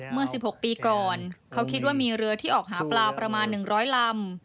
เมื่อ๑๖ปีก่อนเขาคิดว่ามีเรือที่ออกหาปลาประมาณ๑๐๐ลำ